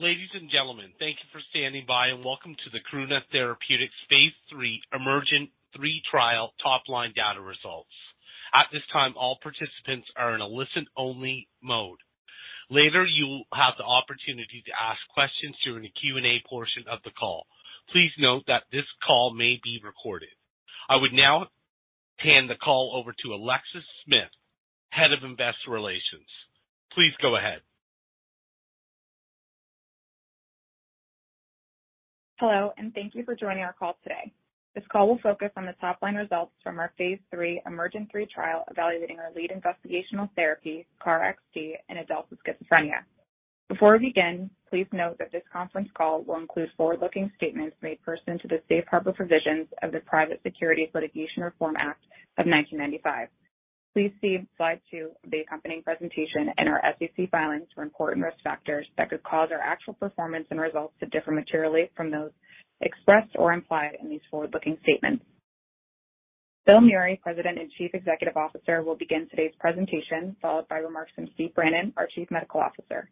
Ladies and gentlemen, thank you for standing by and welcome to the Karuna Therapeutics phase III EMERGENT-3 Trial top line data results. At this time, all participants are in a listen-only mode. Later, you will have the opportunity to ask questions during the Q&A portion of the call. Please note that this call may be recorded. I would now hand the call over to Alexis Smith, Head of Investor Relations. Please go ahead. Hello, and thank you for joining our call today. This call will focus on the top-line results from our Phase III EMERGENT-3 trial evaluating our lead investigational therapy, KarXT, in adults with schizophrenia. Before we begin, please note that this conference call will include forward-looking statements made pursuant to the Safe Harbor provisions of the Private Securities Litigation Reform Act of 1995. Please see slide two of the accompanying presentation and our SEC filings for important risk factors that could cause our actual performance and results to differ materially from those expressed or implied in these forward-looking statements. Bill Meury, President and Chief Executive Officer, will begin today's presentation, followed by remarks from Steve Brannan, our Chief Medical Officer.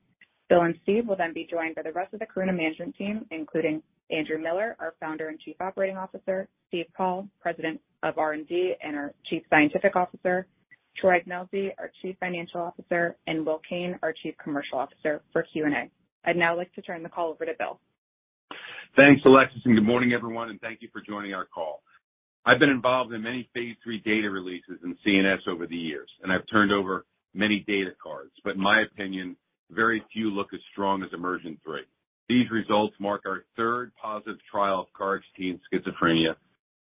Bill and Steve will then be joined by the rest of the Karuna management team, including Andrew Miller, our Founder and Chief Operating Officer, Steve Paul, President of R&D and our Chief Scientific Officer, Troy Ignelzi, our Chief Financial Officer, and Will Kane, our Chief Commercial Officer, for Q&A. I'd now like to turn the call over to Bill. Thanks, Alexis. Good morning, everyone, and thank you for joining our call. I've been involved in many phase III data releases in CNS over the years. I've turned over many data cards. In my opinion, very few look as strong as EMERGENT-3. These results mark our third positive trial of KarXT in schizophrenia,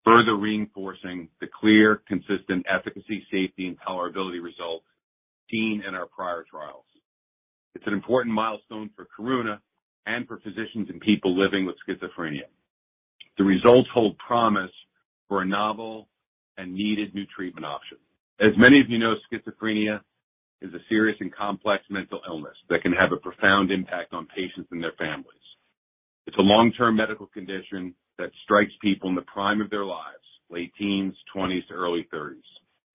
further reinforcing the clear, consistent efficacy, safety, and tolerability results seen in our prior trials. It's an important milestone for Karuna and for physicians and people living with schizophrenia. The results hold promise for a novel and needed new treatment option. As many of you know, schizophrenia is a serious and complex mental illness that can have a profound impact on patients and their families. It's a long-term medical condition that strikes people in the prime of their lives, late teens, 20s to early 30s.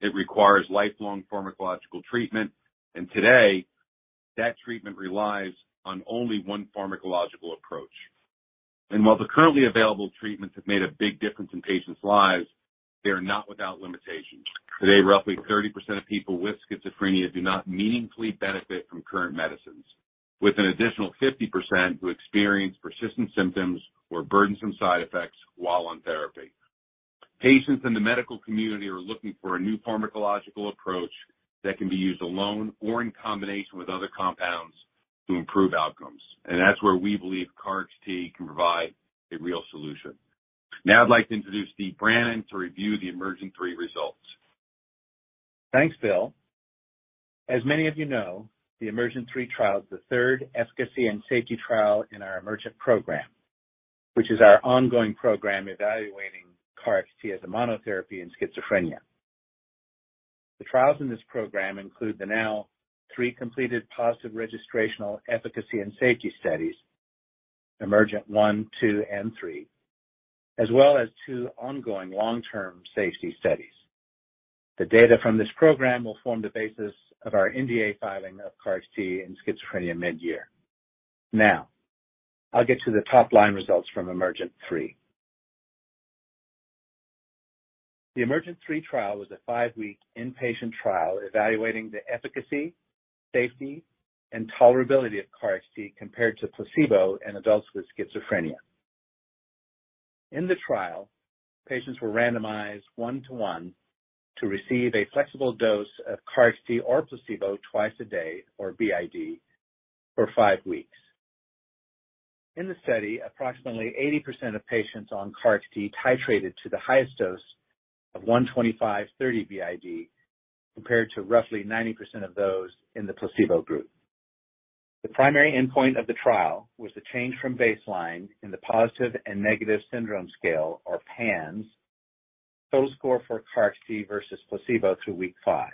It requires lifelong pharmacological treatment. Today, that treatment relies on only one pharmacological approach. While the currently available treatments have made a big difference in patients' lives, they are not without limitations. Today, roughly 30% of people with schizophrenia do not meaningfully benefit from current medicines, with an additional 50% who experience persistent symptoms or burdensome side effects while on therapy. Patients in the medical community are looking for a new pharmacological approach that can be used alone or in combination with other compounds to improve outcomes, and that's where we believe KarXT can provide a real solution. Now I'd like to introduce Steve Brannan to review the EMERGENT-3 results. Thanks, Bill. As many of you know, the EMERGENT-3 trial is the 3rd efficacy and safety trial in our EMERGENT program, which is our ongoing program evaluating KarXT as a monotherapy in schizophrenia. The trials in this program include the now three completed positive registrational efficacy and safety studies, EMERGENT-1, -2, and -3, as well as two ongoing long-term safety studies. The data from this program will form the basis of our NDA filing of KarXT in schizophrenia mid-year. Now, I'll get to the top-line results from EMERGENT-3. The EMERGENT-3 trial was a five-week inpatient trial evaluating the efficacy, safety, and tolerability of KarXT compared to placebo in adults with schizophrenia. In the trial, patients were randomized one to one to receive a flexible dose of KarXT or placebo twice a day or BID for five weeks. In the study, approximately 80% of patients on KarXT titrated to the highest dose of 125/30 BID, compared to roughly 90% of those in the placebo group. The primary endpoint of the trial was the change from baseline in the Positive and Negative Syndrome Scale or PANSS, total score for KarXT versus placebo through week five.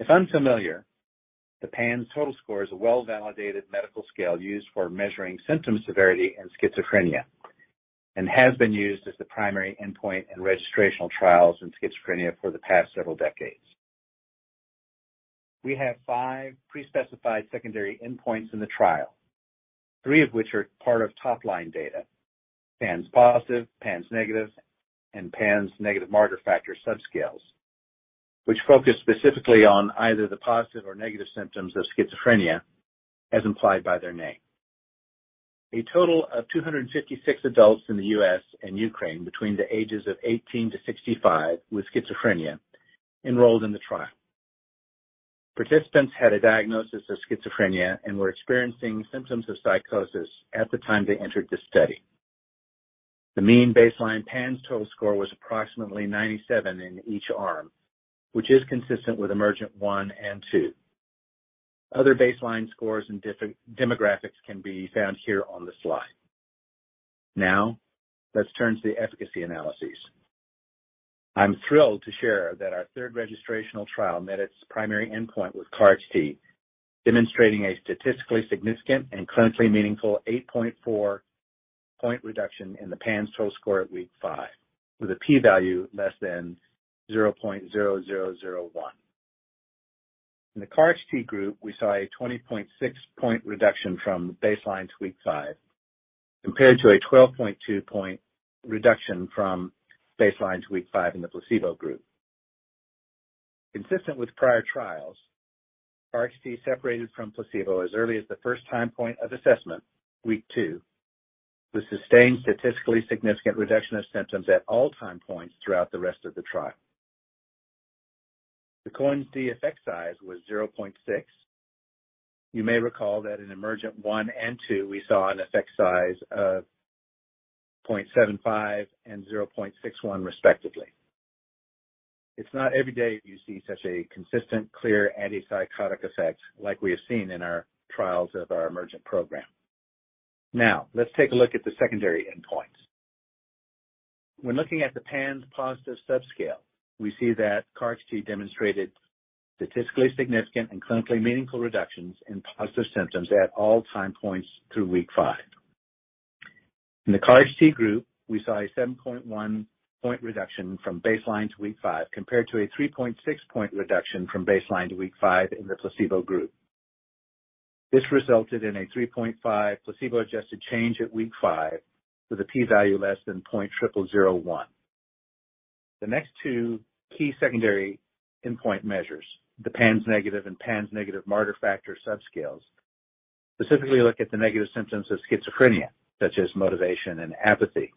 If unfamiliar, the PANSS total score is a well-validated medical scale used for measuring symptom severity in schizophrenia and has been used as the primary endpoint in registrational trials in schizophrenia for the past several decades. We have five pre-specified secondary endpoints in the trial, three of which are part of top-line data. PANSS positive, PANSS negative, and PANSS Marder Negative Factor subscales, which focus specifically on either the positive or negative symptoms of schizophrenia as implied by their name. A total of 256 adults in the U.S. and Ukraine between the ages of 18-65 with schizophrenia enrolled in the trial. Participants had a diagnosis of schizophrenia and were experiencing symptoms of psychosis at the time they entered the study. The mean baseline PANSS total score was approximately 97 in each arm, which is consistent with EMERGENT-1 and EMERGENT-2. Other baseline scores and different demographics can be found here on the slide. Let's turn to the efficacy analyses. I'm thrilled to share that our third registrational trial met its primary endpoint with KarXT, demonstrating a statistically significant and clinically meaningful 8.4-point reduction in the PANSS total score at week five with a P value less than 0.0001. In the KarXT group, we saw a 20.6 point reduction from baseline to week five compared to a 12.2 point reduction from baseline to week five in the placebo group. Consistent with prior trials, KarXT separated from placebo as early as the first time point of assessment, week two, with sustained statistically significant reduction of symptoms at all time points throughout the rest of the trial. The Cohen's d effect size was 0.6. You may recall that in EMERGENT-1 and EMERGENT-2 we saw an effect size of 0.75 and 0.61 respectively. It's not every day you see such a consistent, clear antipsychotic effect like we have seen in our trials of our EMERGENT program. Let's take a look at the secondary endpoints. When looking at the PANSS Positive subscale, we see that KarXT demonstrated statistically significant and clinically meaningful reductions in positive symptoms at all time points through week five. In the KarXT group, we saw a 7.1 point reduction from baseline to week five, compared to a 3.6 point reduction from baseline to week five in the placebo group. This resulted in a 3.5 placebo-adjusted change at week five with a P value less than 0.0001. The next two key secondary endpoint measures, the PANSS Negative and PANSS Marder Negative Factor subscales specifically look at the negative symptoms of schizophrenia, such as motivation and apathy.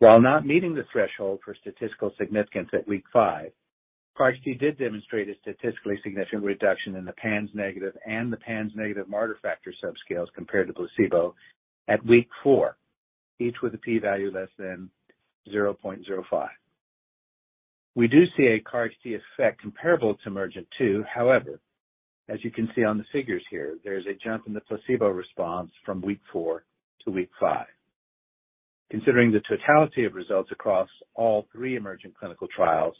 While not meeting the threshold for statistical significance at week five, KarXT did demonstrate a statistically significant reduction in the PANSS Negative and the PANSS Marder Negative Factor subscales compared to placebo at week four, each with a P value less than 0.05. We do see a KarXT effect comparable to EMERGENT-2. However, as you can see on the figures here, there is a jump in the placebo response from week four to week five. Considering the totality of results across all three EMERGENT clinical trials,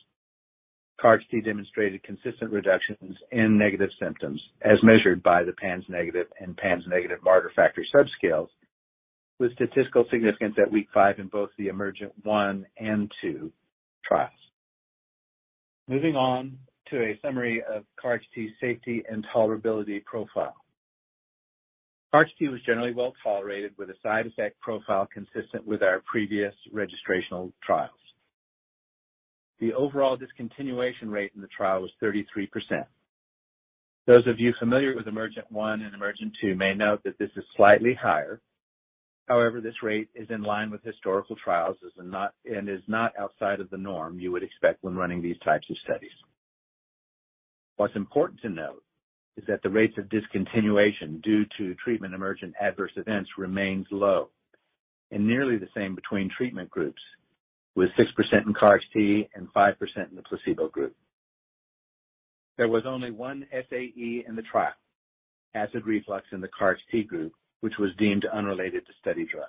KarXT demonstrated consistent reductions in negative symptoms as measured by the PANSS Negative and PANSS Marder Negative Factor subscales, with statistical significance at week five in both the EMERGENT-1 and -2 trials. Moving on to a summary of KarXT's safety and tolerability profile. KarXT was generally well-tolerated with a side effect profile consistent with our previous registrational trials. The overall discontinuation rate in the trial was 33%. Those of you familiar with EMERGENT-1 and EMERGENT-2 may note that this is slightly higher. This rate is in line with historical trials and is not outside of the norm you would expect when running these types of studies. What's important to note is that the rates of discontinuation due to treatment emergent adverse events remains low and nearly the same between treatment groups, with 6% in KarXT and 5% in the placebo group. There was only one SAE in the trial, acid reflux in the KarXT group, which was deemed unrelated to study drug.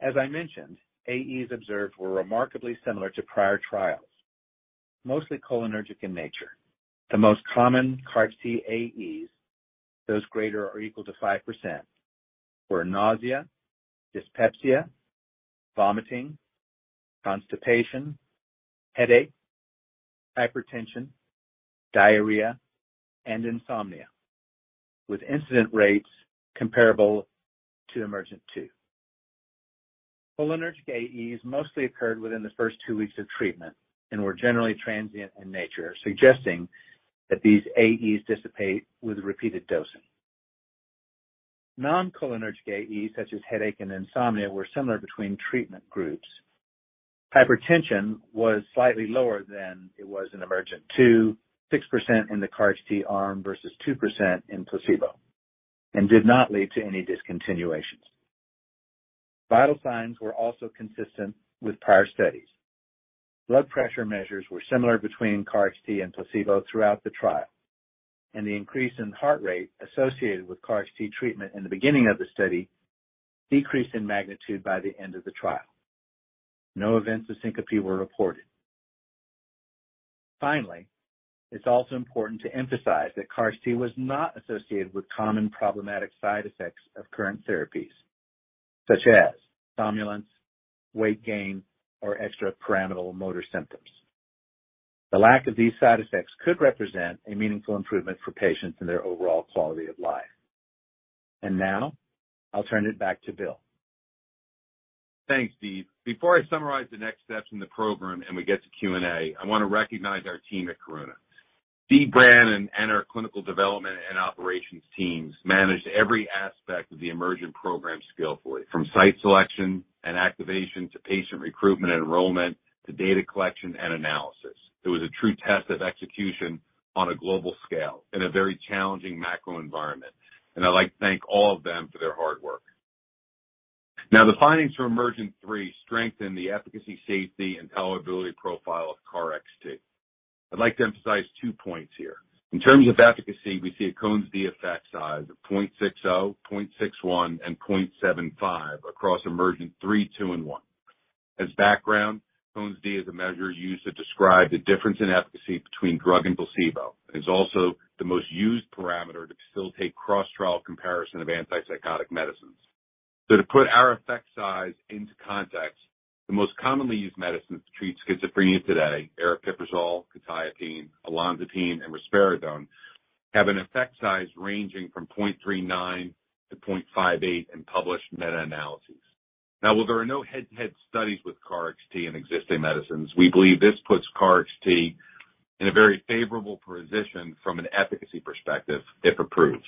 As I mentioned, AEs observed were remarkably similar to prior trials, mostly cholinergic in nature. The most common KarXT AEs, those greater or equal to 5%, were nausea, dyspepsia, vomiting, constipation, headache, hypertension, diarrhea, and insomnia, with incident rates comparable to EMERGENT-2. Cholinergic AEs mostly occurred within the first two weeks of treatment and were generally transient in nature, suggesting that these AEs dissipate with repeated dosing. Non-cholinergic AEs such as headache and insomnia were similar between treatment groups. Hypertension was slightly lower than it was in EMERGENT-2, 6% in the KarXT arm versus 2% in placebo, and did not lead to any discontinuations. Vital signs were also consistent with prior studies. Blood pressure measures were similar between KarXT and placebo throughout the trial, and the increase in heart rate associated with KarXT treatment in the beginning of the study decreased in magnitude by the end of the trial. No events of syncope were reported. Finally, it's also important to emphasize that KarXT was not associated with common problematic side effects of current therapies such as somnolence, weight gain, or extrapyramidal motor symptoms. The lack of these side effects could represent a meaningful improvement for patients and their overall quality of life. Now I'll turn it back to Bill. Thanks, Steve Paul. Before I summarize the next steps in the program, and we get to Q&A, I want to recognize our team at Karuna. Steve Brannan and our clinical development and operations teams managed every aspect of the EMERGENT program skillfully from site selection and activation to patient recruitment and enrollment to data collection and analysis. It was a true test of execution on a global scale in a very challenging macro environment. I'd like to thank all of them for their hard work. Now, the findings from EMERGENT-3 strengthen the efficacy, safety, and tolerability profile of KarXT. I'd like to emphasize two points here. In terms of efficacy, we see a Cohen's d effect size of 0.60, 0.61, and 0.75 across EMERGENT-3, -2, and -1. As background, Cohen's d is a measure used to describe the difference in efficacy between drug and placebo, and is also the most used parameter to facilitate cross-trial comparison of antipsychotic medicines. To put our effect size into context, the most commonly used medicines to treat schizophrenia today, aripiprazole, quetiapine, olanzapine, and risperidone, have an effect size ranging from 0.39 to 0.58 in published meta-analyses. While there are no head-to-head studies with KarXT and existing medicines, we believe this puts KarXT in a very favorable position from an efficacy perspective, if approved.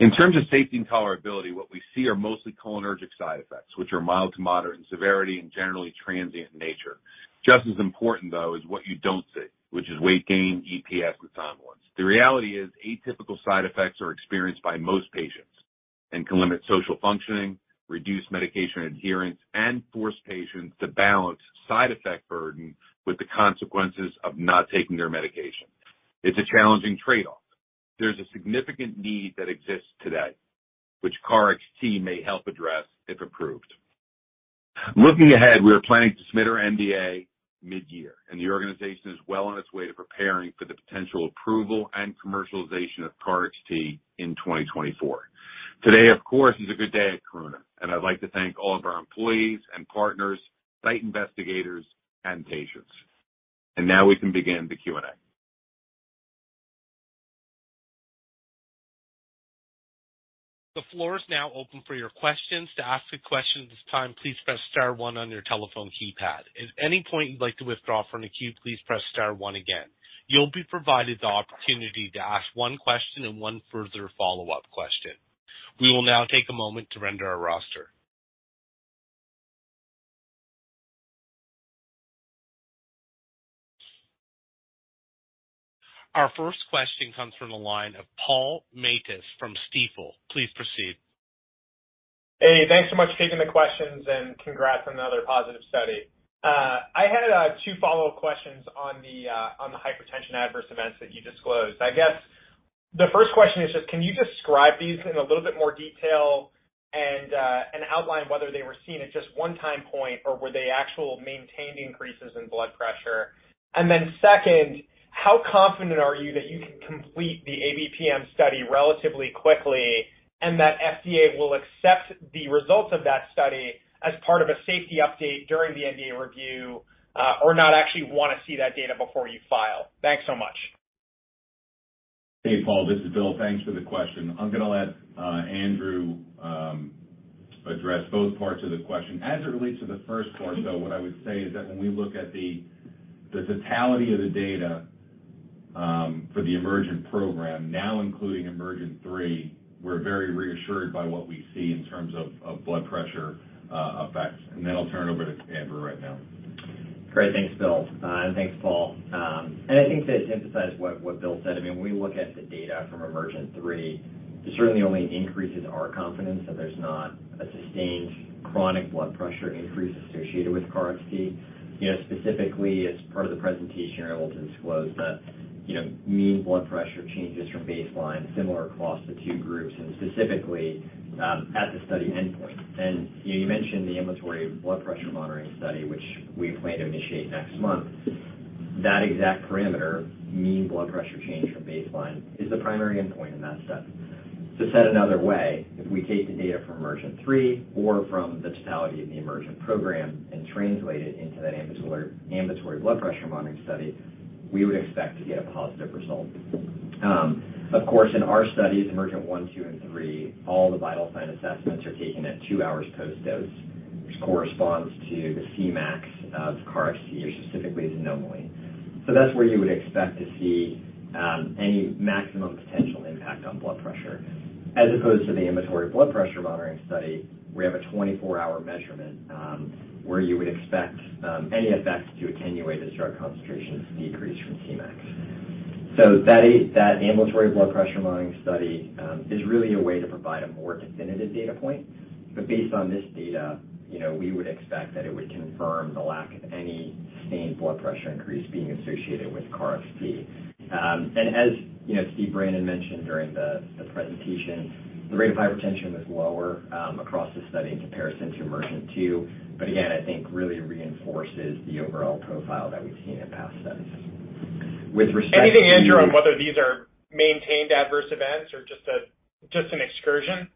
In terms of safety and tolerability, what we see are mostly cholinergic side effects, which are mild to moderate in severity and generally transient in nature. Just as important, though, is what you don't see, which is weight gain, EPS, or tardive dyskinesia. The reality is, atypical side effects are experienced by most patients and can limit social functioning, reduce medication adherence, and force patients to balance side effect burden with the consequences of not taking their medication. It's a challenging trade-off. There's a significant need that exists today, which KarXT may help address if approved. Looking ahead, we are planning to submit our NDA mid-year. The organization is well on its way to preparing for the potential approval and commercialization of KarXT in 2024. Today, of course, is a good day at Karuna. I'd like to thank all of our employees and partners, site investigators, and patients. Now we can begin the Q&A. The floor is now open for your questions. To ask a question at this time, please press star one on your telephone keypad. If at any point you'd like to withdraw from the queue, please press star one again. You'll be provided the opportunity to ask one question and one further follow-up question. We will now take a moment to render our roster. Our first question comes from the line of Paul Matteis from Stifel. Please proceed. Hey, thanks so much for taking the questions, and congrats on another positive study. I had two follow-up questions on the hypertension adverse events that you disclosed. I guess the first question is just can you describe these in a little bit more detail and outline whether they were seen at just one time point or were they actual maintained increases in blood pressure? Second, how confident are you that you can complete the ABPM study relatively quickly and that FDA will accept the results of that study as part of a safety update during the NDA review, or not actually want to see that data before you file? Thanks so much. Hey, Paul. This is Bill. Thanks for the question. I'm gonna let Andrew address both parts of the question. As it relates to the first part, though, what I would say is that when we look at the totality of the data for the EMERGENT program, now including EMERGENT-3, we're very reassured by what we see in terms of blood pressure effects. I'll turn it over to Andrew right now. Great. Thanks, Bill. Thanks, Paul. I think to emphasize what Bill said, I mean, when we look at the data from EMERGENT-3, it certainly only increases our confidence that there's not a sustained chronic blood pressure increase associated with KarXT. You know, specifically as part of the presentation, you're able to disclose the, you know, mean blood pressure changes from baseline similar across the two groups and specifically, at the study endpoint. You know, you mentioned the ambulatory blood pressure monitoring study, which we plan to initiate next month. That exact parameter, mean blood pressure change from baseline, is the primary endpoint in that study. To set another way, if we take the data from EMERGENT-3 or from the totality of the EMERGENT program and translate it into that ambulatory blood pressure monitoring study, we would expect to get a positive result. Of course, in our studies, EMERGENT-1, -2, and -3, all the vital sign assessments are taken at two hours post-dose, which corresponds to the Cmax of KarXT or specifically xanomeline. That's where you would expect to see any maximum potential impact on blood pressure. As opposed to the ambulatory blood pressure monitoring study, we have a 24-hour measurement, where you would expect any effects to attenuate as drug concentrations decrease from Cmax. That ambulatory blood pressure monitoring study is really a way to provide a more definitive data point. Based on this data, you know, we would expect that it would confirm the lack of any sustained blood pressure increase being associated with KarXT. As you know, Steve Brannan mentioned during the presentation, the rate of hypertension was lower across the study in comparison to EMERGENT-2, again, I think really reinforces the overall profile that we've seen in past studies. Anything, Andrew, on whether these are maintained adverse events or just an excursion?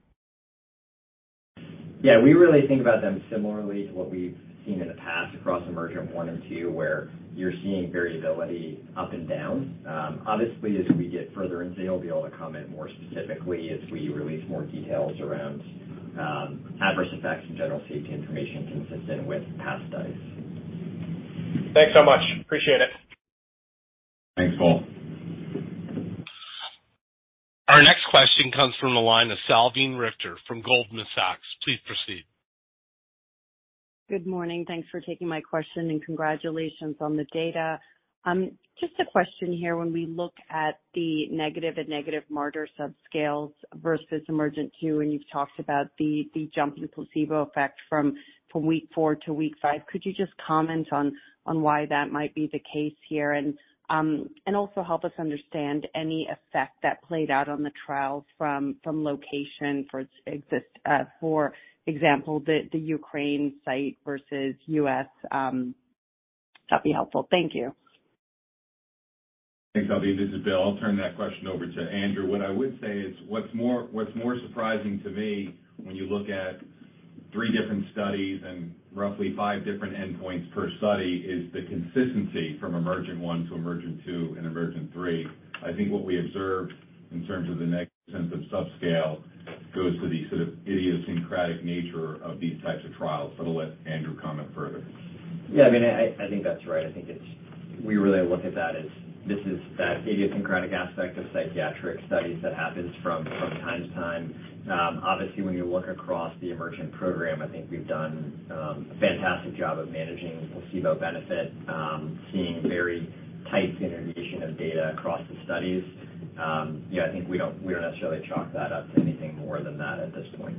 Yeah, we really think about them similarly to what we've seen in the past across EMERGENT-1 and -2, where you're seeing variability up and down. Obviously, as we get further in, we'll be able to comment more specifically as we release more details around adverse effects and general safety information consistent with past studies. Thanks so much. Appreciate it. Thanks, Paul. Our next question comes from the line of Salveen Richter from Goldman Sachs. Please proceed. Good morning. Thanks for taking my question. Congratulations on the data. Just a question here. When we look at the negative and negative Marder subscales versus EMERGENT-2, you've talked about the jump in placebo effect from week four to week five, could you just comment on why that might be the case here? Also help us understand any effect that played out on the trials from location for example, the Ukraine site versus U.S., that'd be helpful. Thank you. Thanks, Salveen. This is Bill. I'll turn that question over to Andrew. What I would say is what's more surprising to me when you look at three different studies and roughly five different endpoints per study is the consistency from EMERGENT-1 to EMERGENT-2 and EMERGENT-3. I think what we observed in terms of the negative symptom subscale goes to the sort of idiosyncratic nature of these types of trials. I'll let Andrew comment further. I mean, I think that's right. I think it's. We really look at that as this is that idiosyncratic aspect of psychiatric studies that happens from time to time. Obviously, when you look across the EMERGENT program, I think we've done a fantastic job of managing placebo benefit, seeing very tight integration of data across the studies. I think we don't necessarily chalk that up to anything more than that at this point.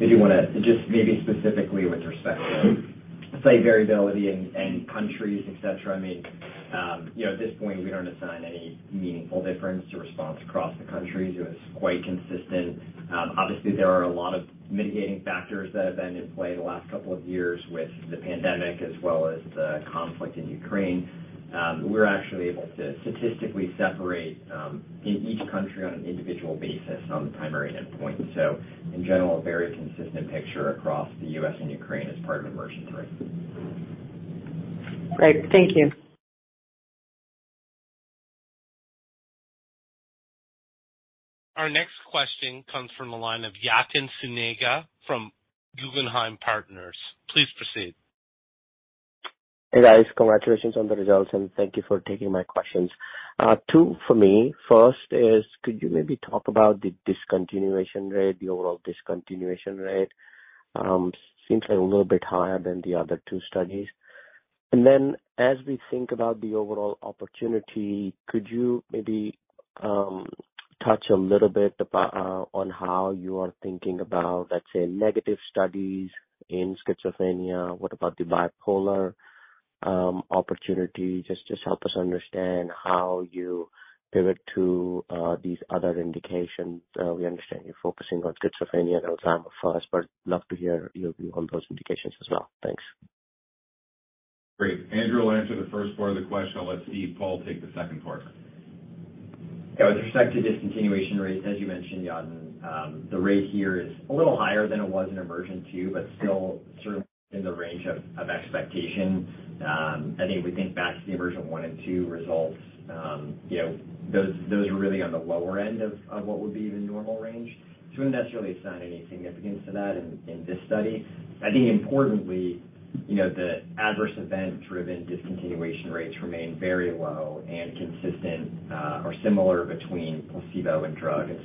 Did you wanna just maybe specifically with respect to, say, variability in countries, et cetera, I mean, you know, at this point, we don't assign any meaningful difference to response across the countries. It was quite consistent. Obviously, there are a lot of mitigating factors that have been in play the last couple of years with the pandemic as well as the conflict in Ukraine. We're actually able to statistically separate, in each country on an individual basis on the primary endpoint. In general, a very consistent picture across the U.S. and Ukraine as part of EMERGENT-3. Great. Thank you. Our next question comes from the line of Yatin Suneja from Guggenheim Securities. Please proceed. Hey, guys. Congratulations on the results, and thank you for taking my questions. two for me. First is could you maybe talk about the discontinuation rate, the overall discontinuation rate, seems like a little bit higher than the other two studies. As we think about the overall opportunity, could you maybe touch a little bit about on how you are thinking about, let's say, negative studies in schizophrenia? What about the bipolar opportunity? Just help us understand how you pivot to these other indications. We understand you're focusing on schizophrenia and Alzheimer first, but love to hear your view on those indications as well. Thanks. Great. Andrew will answer the first part of the question. I'll let Steve Paul take the second part. Yeah. With respect to discontinuation rates, as you mentioned, Yatin, the rate here is a little higher than it was in EMERGENT-2, but still sort of in the range of expectation. I think if we think back to the EMERGENT-1 and two results, you know, those were really on the lower end of what would be the normal range. Shouldn't necessarily assign any significance to that in this study. I think importantly, you know, the adverse event-driven discontinuation rates remain very low and consistent, or similar between placebo and drug. In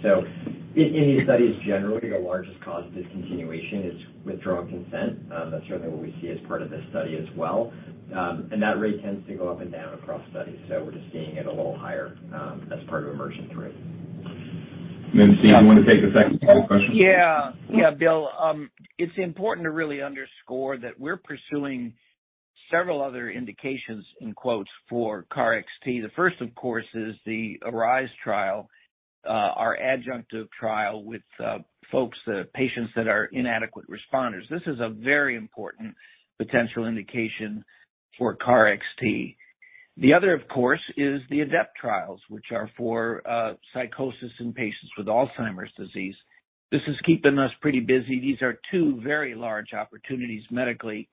these studies, generally, the largest cause of discontinuation is withdrawing consent. That's certainly what we see as part of this study as well. That rate tends to go up and down across studies. we're just seeing it a little higher, as part of EMERGENT-3. Steve, do you wanna take the second part of the question? Yeah. Yeah, Bill. It's important to really underscore that we're pursuing several other indications in quotes for KarXT. The first, of course, is the ARISE trial, our adjunctive trial with folks, patients that are inadequate responders. This is a very important potential indication for KarXT. The other, of course, is the ADEPT trials, which are for psychosis in patients with Alzheimer's disease. This is keeping us pretty busy. These are two very large opportunities medically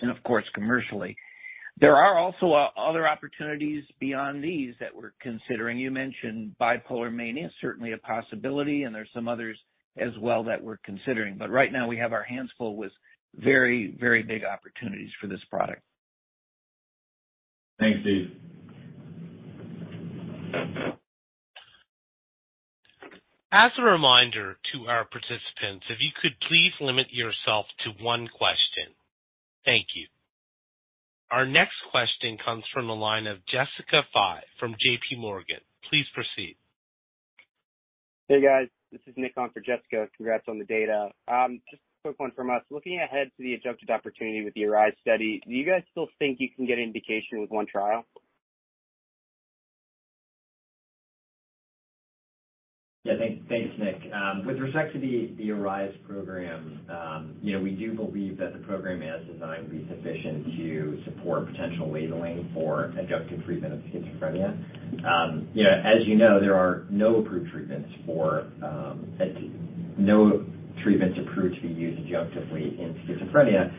and, of course, commercially. There are also other opportunities beyond these that we're considering. You mentioned bipolar mania, certainly a possibility, and there's some others as well that we're considering. Right now we have our hands full with very, very big opportunities for this product. Thanks, Steve. As a reminder to our participants, if you could please limit yourself to one question. Thank you. Our next question comes from the line of Jessica Fye from J.P. Morgan. Please proceed. Hey, guys. This is Nick on for Jessica. Congrats on the data. Just a quick one from us. Looking ahead to the adjunctive opportunity with the ARISE study, do you guys still think you can get indication with one trial? Yeah, thanks, Nick. With respect to the ARISE program, you know, we do believe that the program as designed will be sufficient to support potential labeling for adjunctive treatment of schizophrenia. You know, as you know, there are no approved treatments for no treatments approved to be used adjunctively in schizophrenia.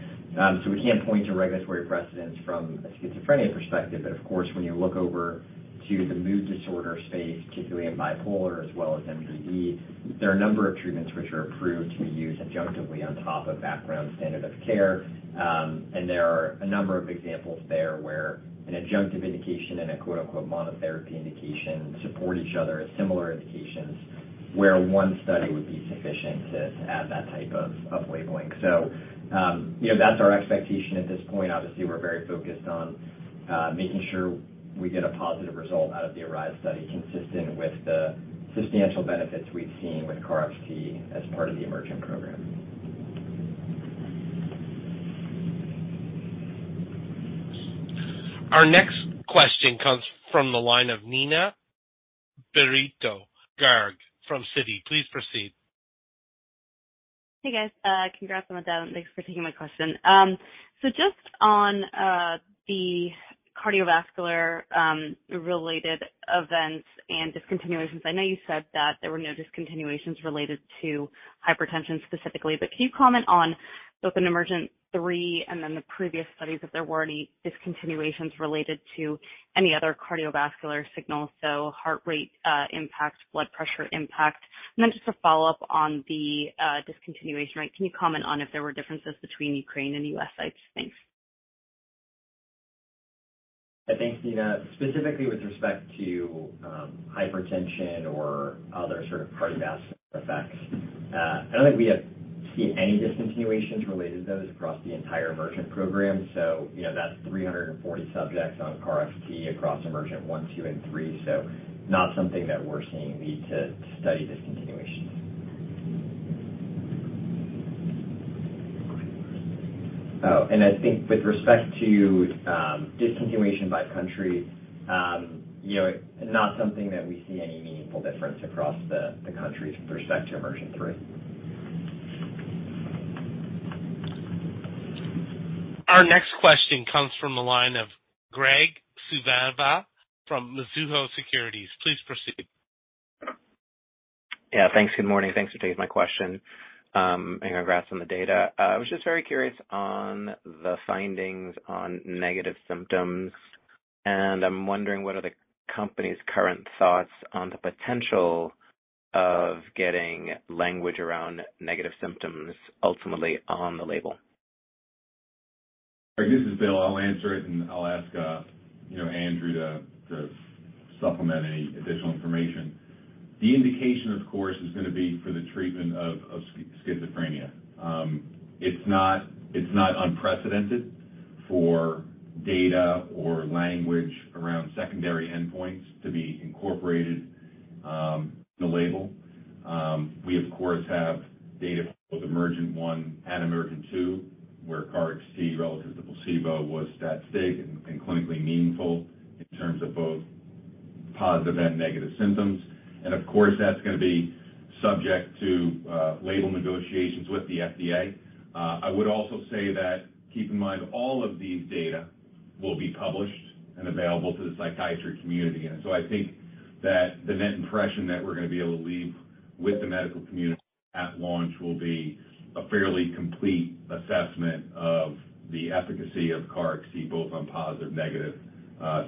We can't point to regulatory precedents from a schizophrenia perspective. Of course, when you look over to the mood disorder space, particularly in bipolar as well as MDD, there are a number of treatments which are approved to be used adjunctively on top of background standard of care. There are a number of examples there where an adjunctive indication and a quote, unquote, monotherapy indication support each other as similar indications where one study would be sufficient to add that type of labeling. You know, that's our expectation at this point. Obviously, we're very focused on making sure we get a positive result out of the ARISE study consistent with the substantial benefits we've seen with KarXT as part of the EMERGENT program. Our next question comes from the line of Neena Bitritto-Garg from Citi. Please proceed. Hey, guys. Congrats on the data, and thanks for taking my question. Just on the cardiovascular related events and discontinuations, I know you said that there were no discontinuations related to hypertension specifically, but can you comment on both in EMERGENT-3 and then the previous studies, if there were any discontinuations related to any other cardiovascular signals, so heart rate, impact, blood pressure impact? Then just to follow up on the discontinuation rate, can you comment on if there were differences between Ukraine and U.S. sites? Thanks. Yeah. Thanks, Nina. Specifically with respect to hypertension or other sort of cardiovascular effects, I don't think we have seen any discontinuations related to those across the entire EMERGENT program. You know, that's 340 subjects on KarXT across EMERGENT-1, EMERGENT-2, and EMERGENT-3, not something that we're seeing lead to study discontinuations. I think with respect to discontinuation by country, you know, not something that we see any meaningful difference across the countries with respect to EMERGENT-3. Our next question comes from the line of Graig Suvannavejh from Mizuho Securities. Please proceed. Yeah. Thanks. Good morning. Thanks for taking my question. Congrats on the data. I was just very curious on the findings on negative symptoms, and I'm wondering what are the company's current thoughts on the potential of getting language around negative symptoms ultimately on the label? This is Bill. I'll answer it. I'll ask, you know, Andrew to supplement any additional information. The indication, of course, is going to be for the treatment of schizophrenia. It's not unprecedented for data or language around secondary endpoints to be incorporated in the label. We of course have data from both EMERGENT-1 and EMERGENT-2, where KarXT relative to placebo was that big and clinically meaningful in terms of both positive and negative symptoms. Of course, that's going to be subject to label negotiations with the FDA. I would also say that keep in mind all of these data will be published and available to the psychiatry community. I think that the net impression that we're gonna be able to leave with the medical community at launch will be a fairly complete assessment of the efficacy of KarXT, both on positive, negative,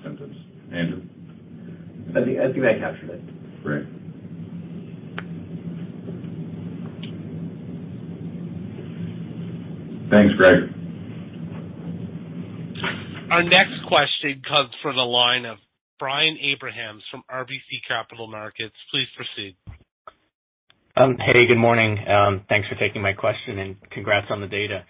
symptoms. Andrew? I think that captures it. Great. Thanks, Greg. Our next question comes from the line of Brian Abrahams from RBC Capital Markets. Please proceed. Hey, good morning. Thanks for taking my question, and congrats on the data.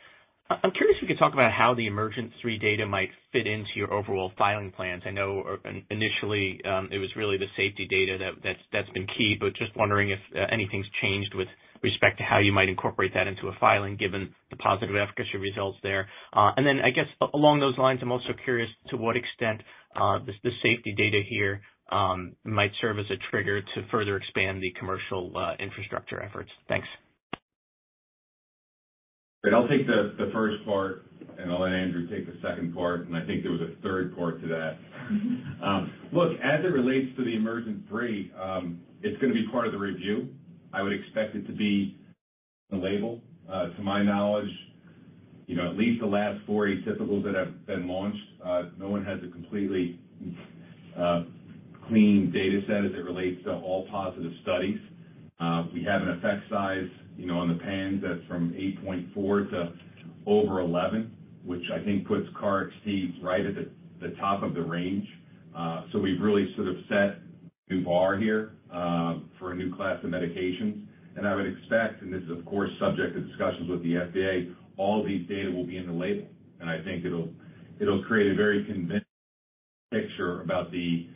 I'm curious if you could talk about how the EMERGENT-3 data might fit into your overall filing plans. I know initially, it was really the safety data that's been key, but just wondering if anything's changed with respect to how you might incorporate that into a filing given the positive efficacy results there. Then I guess along those lines, I'm also curious to what extent the safety data here might serve as a trigger to further expand the commercial infrastructure efforts. Thanks. I'll take the first part, and I'll let Andrew take the second part, and I think there was a third part to that. Look, as it relates to the EMERGENT-3, it's gonna be part of the review. I would expect it to be the label. To my knowledge, you know, at least the last four atypicals that have been launched, no one has a completely clean data set as it relates to all positive studies. We have an effect size, you know, on the PANSS that's from 8.4 to over 11, which I think puts KarXT right at the top of the range. We've really sort of set the bar here for a new class of medications. I would expect, and this is of course subject to discussions with the FDA, all these data will be in the label. I think it'll create a very convincing picture about the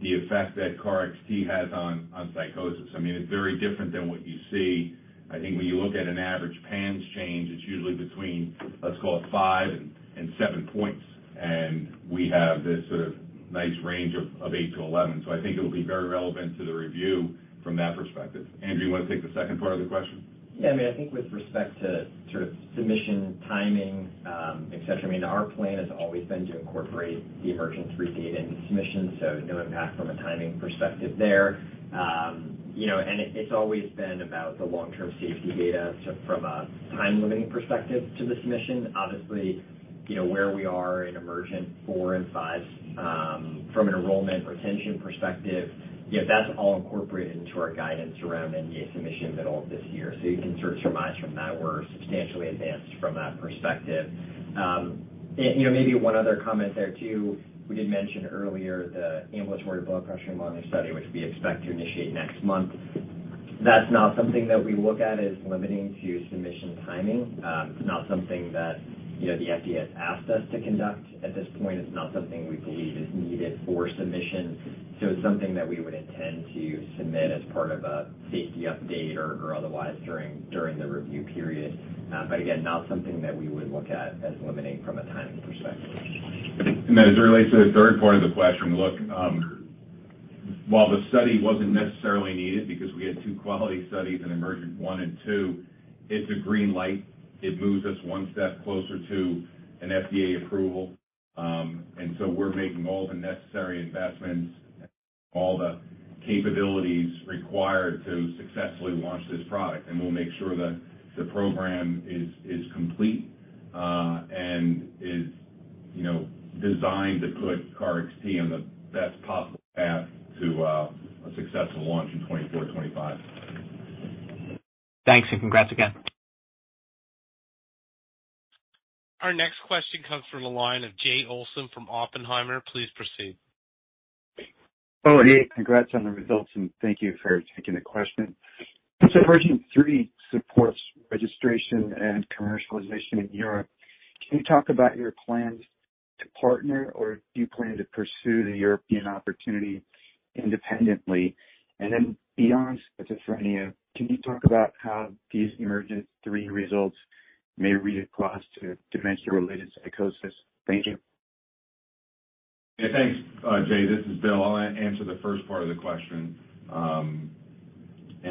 effect that KarXT has on psychosis. I mean, it's very different than what you see. I think when you look at an average PANSS change, it's usually between, let's call it five and seven points. We have this sort of nice range of eight to 11. I think it'll be very relevant to the review from that perspective. Andrew, you wanna take the second part of the question? Yeah. I mean, I think with respect to sort of submission timing, et cetera, I mean, our plan has always been to incorporate the EMERGENT-3 data into submission, no impact from a timing perspective there. You know, it's always been about the long-term safety data from a time limiting perspective to the submission. Obviously, you know, where we are in EMERGENT-4 and EMERGENT-5, from an enrollment retention perspective, you know, that's all incorporated into our guidance around NDA submission middle of this year. You can sort of surmise from that we're substantially advanced from that perspective. You know, maybe one other comment there too. We did mention earlier the ambulatory blood pressure monitoring study, which we expect to initiate next month. That's not something that we look at as limiting to submission timing. It's not something that, you know, the FDA has asked us to conduct at this point. It's not something we believe is needed for submission. It's something that we would intend to submit as part of a safety update or otherwise during the review period. Again, not something that we would look at as limiting from a timing perspective. As it relates to the third part of the question, look, While the study wasn't necessarily needed because we had two quality studies in EMERGENT-1 and -2, it's a green light. It moves us one step closer to an FDA approval. We're making all the necessary investments, all the capabilities required to successfully launch this product, and we'll make sure that the program is complete, you know, designed to put KarXT on the best possible path to a successful launch in 2024, 2025. Thanks, and congrats again. Our next question comes from the line of Jay Olson from Oppenheimer. Please proceed. Oh, hey, congrats on the results, thank you for taking the question. EMERGENT-3 supports registration and commercialization in Europe. Can you talk about your plans to partner, or do you plan to pursue the European opportunity independently? Beyond schizophrenia, can you talk about how these EMERGENT-3 results may read across to dementia-related psychosis? Thank you. Yeah, thanks, Jay. This is Bill. I'll answer the first part of the question, and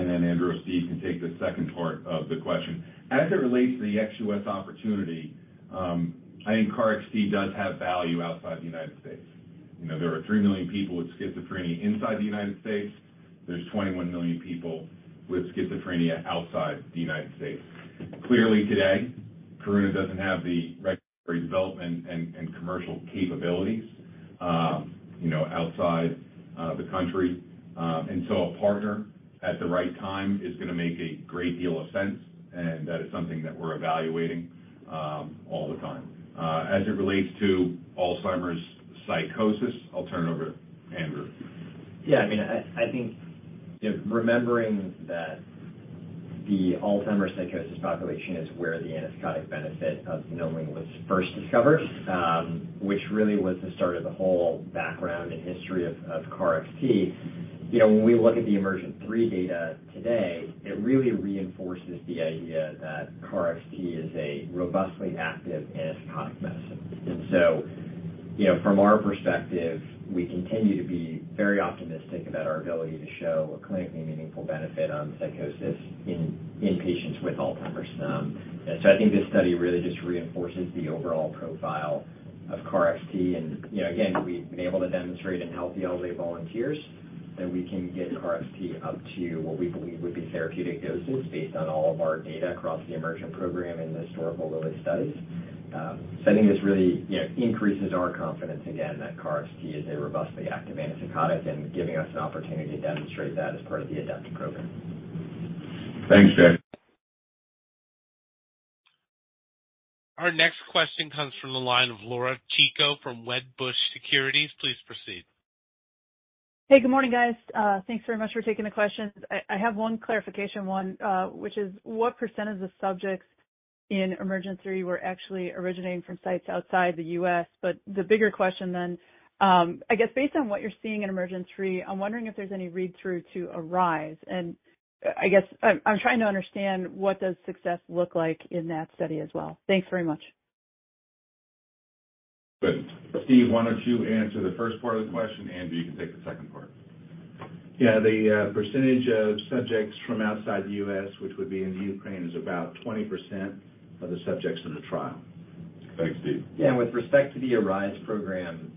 then Andrew or Steve can take the second part of the question. As it relates to the ex-U.S. opportunity, I think KarXT does have value outside the United States. You know, there are 3 million people with schizophrenia inside the United States. There's 21 million people with schizophrenia outside the United States. Clearly, today, Karuna doesn't have the regulatory development and commercial capabilities, you know, outside the country. A partner at the right time is gonna make a great deal of sense, and that is something that we're evaluating all the time. As it relates to Alzheimer's psychosis, I'll turn it over to Andrew. Yeah. I mean, I think remembering that the Alzheimer's psychosis population is where the antipsychotic benefit of xanomeline was first discovered, which really was the start of the whole background and history of KarXT. You know, when we look at the EMERGENT-3 data today, it really reinforces the idea that KarXT is a robustly active antipsychotic medicine. You know, from our perspective, we continue to be very optimistic about our ability to show a clinically meaningful benefit on psychosis in patients with Alzheimer's. I think this study really just reinforces the overall profile of KarXT. You know, again, we've been able to demonstrate in healthy elderly volunteers that we can get KarXT up to what we believe would be therapeutic doses based on all of our data across the EMERGENT program in the historical Lilly studies. I think this really, you know, increases our confidence again that KarXT is a robustly active antipsychotic and giving us an opportunity to demonstrate that as part of the ADEPT program. Thanks, Jay. Our next question comes from the line of Laura Chico from Wedbush Securities. Please proceed. Hey, good morning, guys. Thanks very much for taking the questions. I have one clarification one, which is what % of subjects in EMERGENT-3 were actually originating from sites outside the U.S.? The bigger question then, I guess based on what you're seeing in EMERGENT-3, I'm wondering if there's any read-through to ARISE. I guess I'm trying to understand what does success look like in that study as well. Thanks very much. Good. Steve, why don't you answer the first part of the question? Andrew, you can take the second part. Yeah. The percentage of subjects from outside the U.S., which would be in Ukraine, is about 20% of the subjects in the trial. Thanks, Steve. With respect to the ARISE program,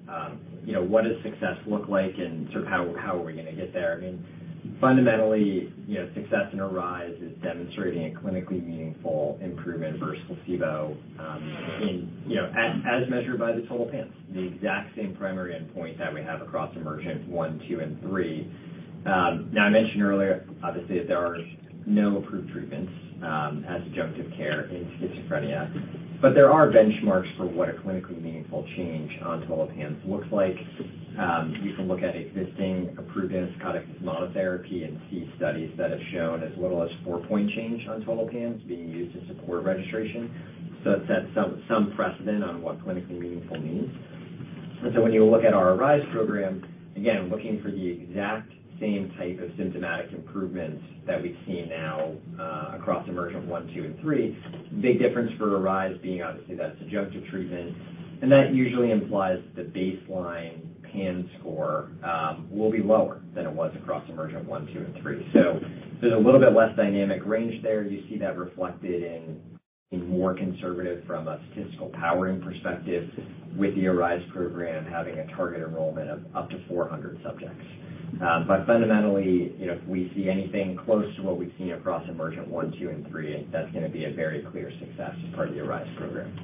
you know, what does success look like and sort of how are we gonna get there? I mean, fundamentally, you know, success in ARISE is demonstrating a clinically meaningful improvement versus placebo, in, you know, as measured by the total PANSS. The exact same primary endpoint that we have across EMERGENT-1, -2, and -3. Now I mentioned earlier, obviously, that there are no approved treatments, as adjunctive care in schizophrenia, but there are benchmarks for what a clinically meaningful change on total PANSS looks like. You can look at existing approved antipsychotic monotherapy and see studies that have shown as little as 4-point change on total PANSS being used to support registration. It sets some precedent on what clinically meaningful means. When you look at our ARISE program, again, looking for the exact same type of symptomatic improvement that we've seen now, across EMERGENT -1, -2, and -3. Big difference for ARISE being obviously that adjunctive treatment, and that usually implies the baseline PANSS score will be lower than it was across EMERGENT -1, -2 and -3. There's a little bit less dynamic range there. You see that reflected in being more conservative from a statistical powering perspective with the ARISE program having a target enrollment of up to 400 subjects. Fundamentally, you know, if we see anything close to what we've seen across EMERGENT one, two and three, that's gonna be a very clear success as part of the ARISE program.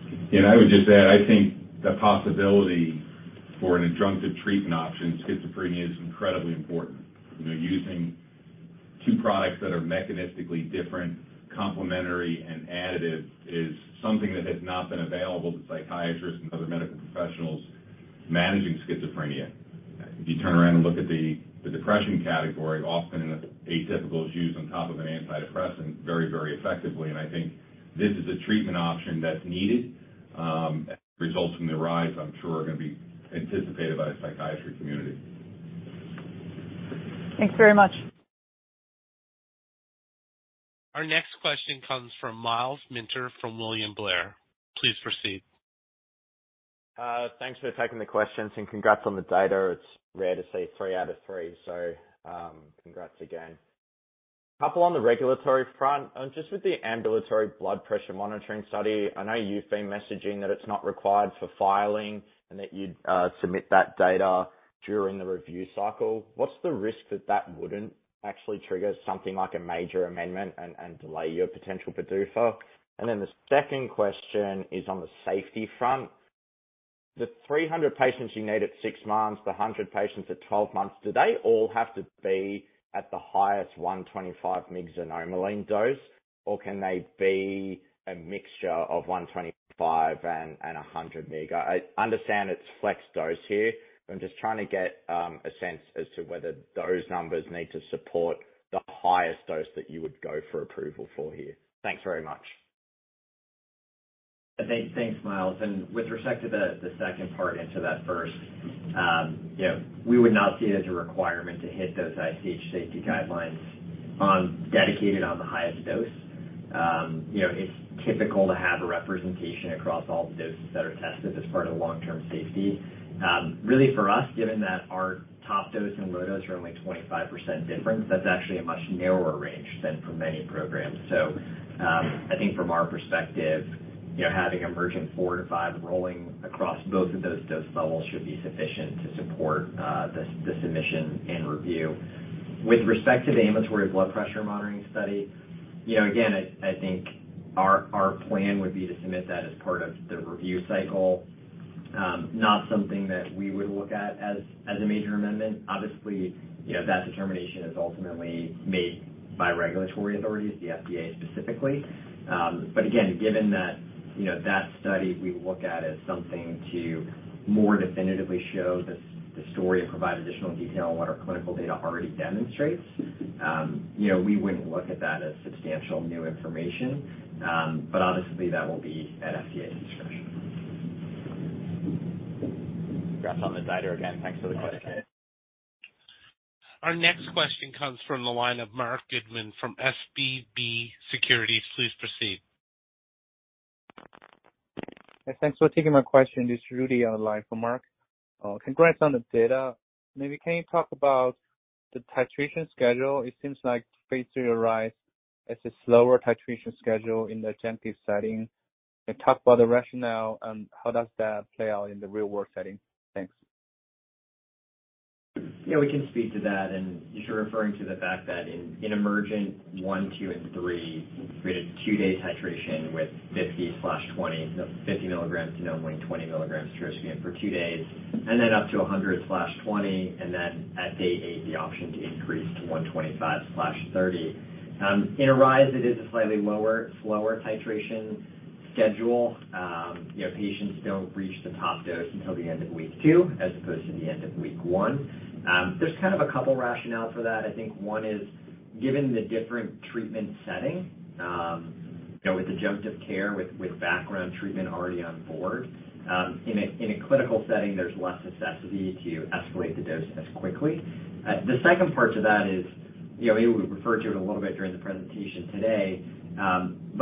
I would just add, I think the possibility for an adjunctive treatment option in schizophrenia is incredibly important. You know, using two products that are mechanistically different, complementary and additive is something that has not been available to psychiatrists and other medical professionals managing schizophrenia. If you turn around and look at the depression category, often an atypical is used on top of an antidepressant very, very effectively. I think this is a treatment option that's needed. Results from the ARISE, I'm sure are gonna be anticipated by the psychiatry community. Thanks very much. Our next question comes from Myles Minter from William Blair. Please proceed. Thanks for taking the questions and congrats on the data. It's rare to see three out of three. Congrats again. A couple on the regulatory front. Just with the ambulatory blood pressure monitoring study, I know you've been messaging that it's not required for filing and that you'd submit that data during the review cycle. What's the risk that that wouldn't actually trigger something like a major amendment and delay your potential for DOFA? The second question is on the safety front. The 300 patients you need at six months, the 100 patients at 12 months, do they all have to be at the highest 125 mg xanomeline dose, or can they be a mixture of 125 mg and 100 mg? I understand it's flex dose here. I'm just trying to get a sense as to whether those numbers need to support the highest dose that you would go for approval for here. Thanks very much. Thanks. Thanks, Myles. With respect to the second part into that first, you know, we would not see it as a requirement to hit those ICH safety guidelines on dedicated on the highest dose. You know, it's typical to have a representation across all the doses that are tested as part of the long-term safety. Really for us, given that our top dose and low dose are only 25% difference, that's actually a much narrower range than for many programs. I think from our perspective, you know, having EMERGENT-4 to EMERGENT-5 rolling across both of those dose levels should be sufficient to support the submission and review. With respect to the ambulatory blood pressure monitoring study, you know, again, I think our plan would be to submit that as part of the review cycle, not something that we would look at as a major amendment. Obviously, you know, that determination is ultimately made by regulatory authorities, the FDA specifically. Again, given that, you know, that study we look at as something to more definitively show the story and provide additional detail on what our clinical data already demonstrates, you know, we wouldn't look at that as substantial new information. Obviously that will be at FDA's discretion. Congrats on the data again. Thanks for the question. Our next question comes from the line of Marc Goodman from SVB Securities. Please proceed. Thanks for taking my question. This is Rudy on the line for Mark. Congrats on the data. Can you talk about the titration schedule? It seems like phase III ARISE is a slower titration schedule in the adjunctive setting. Can you talk about the rationale and how does that play out in the real-world setting? Thanks. Yeah, we can speak to that. You're referring to the fact that in EMERGENT-1, -2, and -3, we had a two-day titration with 50/20, so 50 milligrams xanomeline, 20 milligrams trospium for two days, and then up to 100/20, and then at day eight, the option to increase to 125/30. In ARISE, it is a slightly lower, slower titration schedule. You know, patients don't reach the top dose until the end of week two as opposed to the end of week one. There's kind of a couple rationales for that. I think one is, given the different treatment setting, you know, with adjunctive care with background treatment already on board, in a clinical setting, there's less necessity to escalate the dose as quickly. The second part to that is, you know, we referred to it a little bit during the presentation today.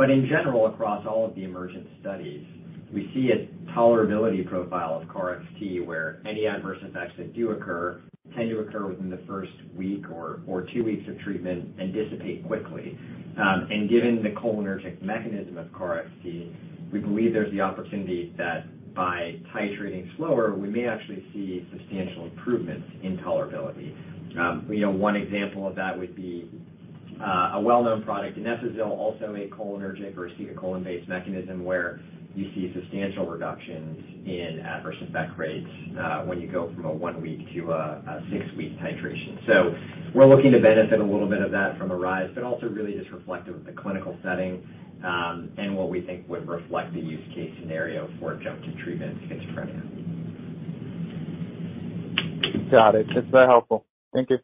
In general, across all of the EMERGENT studies, we see a tolerability profile of KarXT, where any adverse effects that do occur tend to occur within the first week or two weeks of treatment and dissipate quickly. Given the cholinergic mechanism of KarXT, we believe there's the opportunity that by titrating slower, we may actually see substantial improvements in tolerability. You know, one example of that would be a well-known product, Donepezil, also a cholinergic or acetylcholine-based mechanism, where you see substantial reductions in adverse effect rates when you go from a one-week to a six-week titration. We're looking to benefit a little bit of that from ARISE, but also really just reflective of the clinical setting, and what we think would reflect the use case scenario for adjunctive treatment in schizophrenia. Got it. That's very helpful. Thank you.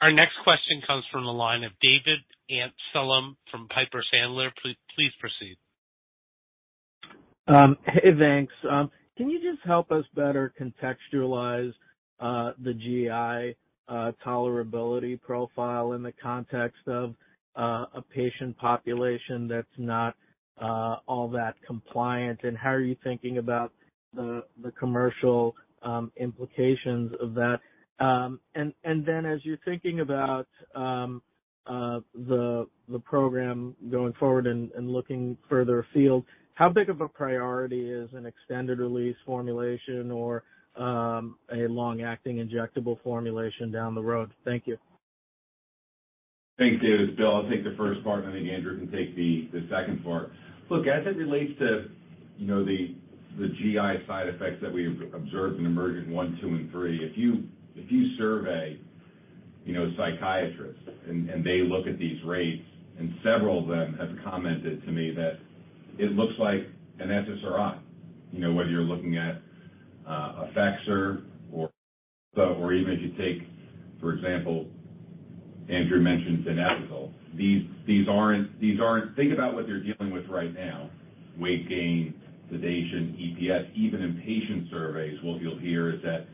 Our next question comes from the line of David Amsellem from Piper Sandler. Please proceed. Hey, thanks. Can you just help us better contextualize the GI tolerability profile in the context of a patient population that's not all that compliant? How are you thinking about the commercial implications of that? Then as you're thinking about the program going forward and looking further afield, how big of a priority is an extended release formulation or a long-acting injectable formulation down the road? Thank you. Thanks, David. It's Bill. I'll take the first part, and I think Andrew can take the second part. Look, as it relates to, you know, the GI side effects that we have observed in EMERGENT-1, EMERGENT-2, and EMERGENT-3, if you survey, you know, psychiatrists and they look at these rates, and several of them have commented to me that it looks like an SSRI. You know, whether you're looking at Effexor or even if you take, for example, Andrew mentioned Donepezil. These aren't. Think about what they're dealing with right now. Weight gain, sedation, EPS, even in patient surveys, what you'll hear is that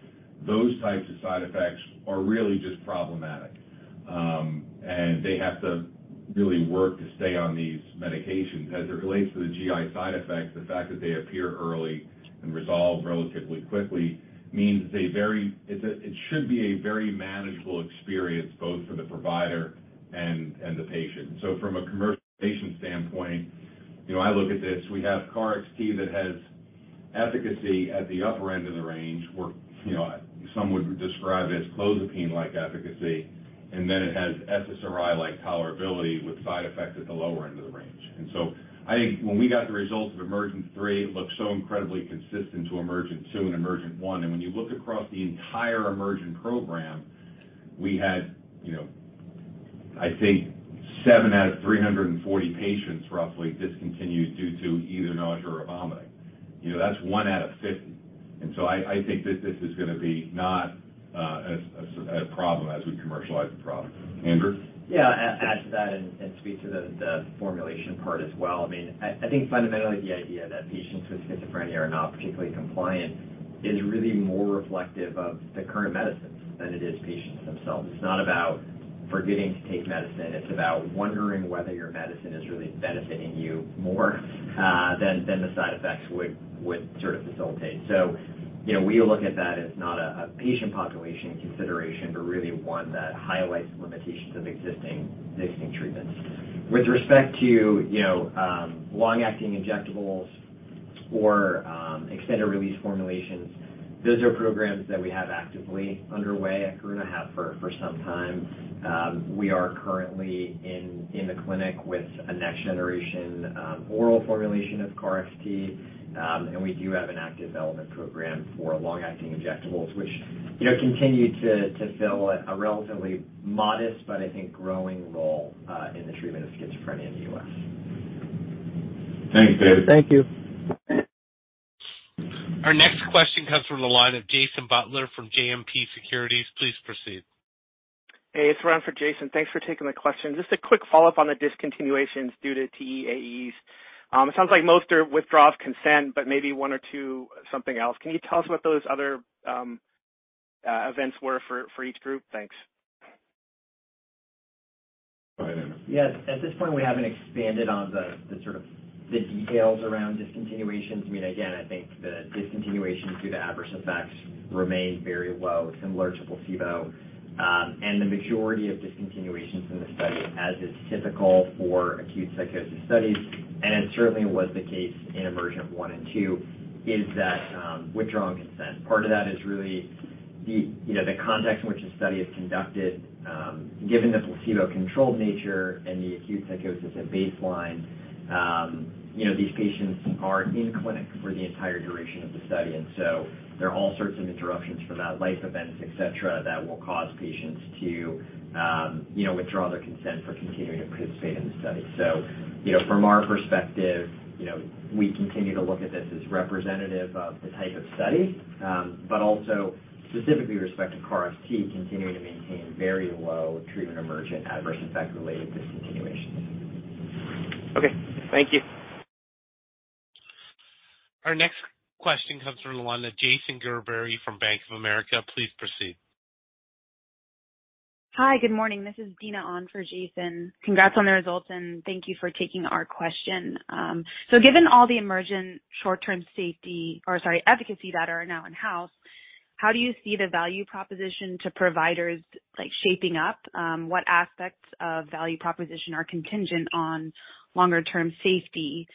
those types of side effects are really just problematic. They have to really work to stay on these medications. As it relates to the GI side effects, the fact that they appear early and resolve relatively quickly means a very manageable experience both for the provider and the patient. From a commercialization standpoint, you know, I look at this, we have KarXT that has efficacy at the upper end of the range, where, you know, some would describe as clozapine-like efficacy. Then it has SSRI-like tolerability with side effects at the lower end of the range. I think when we got the results of EMERGENT-3, it looked so incredibly consistent to EMERGENT-2 and EMERGENT-1. When you look across the entire EMERGENT program, we had, you know, I think 7 out of 340 patients roughly discontinued due to either nausea or vomiting. You know, that's one out of 50. I think this is gonna be not a problem as we commercialize the product. Andrew? Yeah. I'll add to that and speak to the formulation part as well. I mean, I think fundamentally the idea that patients with schizophrenia are not particularly compliant is really more reflective of the current medicines than it is patients themselves. It's not about forgetting to take medicine, it's about wondering whether your medicine is really benefiting you more than the side effects would sort of facilitate. You know, we look at that as not a patient population consideration, but really one that highlights limitations of existing treatments. With respect to, you know, long-acting injectables or extended-release formulations, those are programs that we have actively underway at Karuna have for some time. We are currently in the clinic with a next generation oral formulation of KarXT. We do have an active development program for long-acting injectables, which, you know, continue to fill a relatively modest but I think growing role in the treatment of schizophrenia in the U.S. Thanks, David. Thank you. Our next question comes from the line of Jason Butler from JMP Securities. Please proceed. Hey, it's Ron for Jason. Thanks for taking the question. Just a quick follow-up on the discontinuations due to TEAEs. It sounds like most are withdraw of consent, but maybe one or two something else. Can you tell us what those other events were for each group? Thanks. Go ahead, Andrew. Yes. At this point we haven't expanded on the sort of the details around discontinuations. I mean, again, I think the discontinuation due to adverse effects remained very low, similar to placebo. The majority of discontinuations in the study, as is typical for acute psychosis studies, and it certainly was the case in EMERGENT-1 and EMERGENT-2, is that, withdrawing consent. Part of that is really the, you know, the context in which the study is conducted, given the placebo-controlled nature and the acute psychosis at baseline, you know, these patients are in clinic for the entire duration of the study, and so there are all sorts of interruptions from that, life events, etc., that will cause patients to, you know, withdraw their consent for continuing to participate in the study. you know, from our perspective, you know, we continue to look at this as representative of the type of study, but also specifically with respect to KarXT, continuing to maintain very low treatment emergent adverse event-related discontinuations. Okay. Thank you. Our next question comes from the one that Jason Gerberry from Bank of America. Please proceed. Hi, good morning. This is Dina on for Jason. Congrats on the results. Thank you for taking our question. Given all the EMERGENT short-term safety efficacy data are now in-house, how do you see the value proposition to providers like shaping up, what aspects of value proposition are contingent on longer-term safety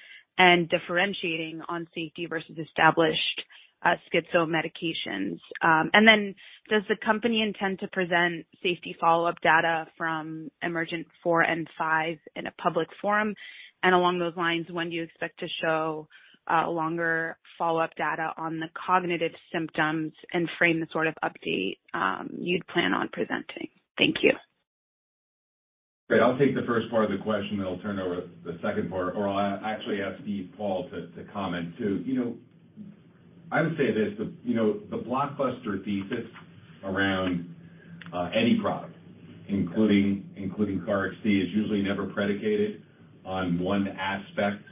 and differentiating on safety versus established schizo medications? Does the company intend to present safety follow-up data from EMERGENT-4 and EMERGENT-5 in a public forum? Along those lines, when do you expect to show longer follow-up data on the cognitive symptoms and frame the sort of update you'd plan on presenting? Thank you. Great. I'll take the first part of the question, then I'll turn over the second part, or I'll actually ask Steve Paul to comment too. You know, I would say this, you know, the blockbuster thesis around any product including KarXT, is usually never predicated on one aspect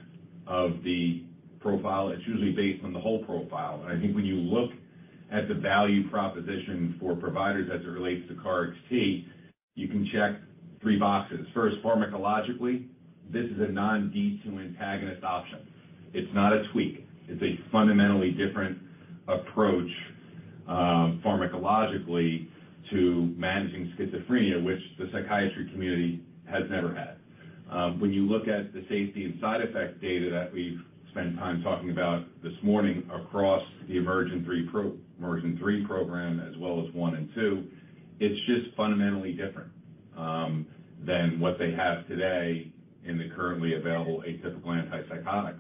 of the profile. It's usually based on the whole profile. I think when you look at the value proposition for providers as it relates to KarXT, you can check three boxes. First, pharmacologically, this is a non-D2 antagonist option. It's not a tweak. It's a fundamentally different approach, pharmacologically to managing schizophrenia, which the psychiatry community has never had. When you look at the safety and side effect data that we've spent time talking about this morning across the EMERGENT-3 program as well as EMERGENT-1 and EMERGENT-2, it's just fundamentally different than what they have today in the currently available atypical antipsychotics.